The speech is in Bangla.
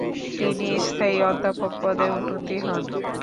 তিনি স্থায়ী অধ্যাপক পদে উন্নীত হন।